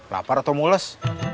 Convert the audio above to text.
lapar atau moles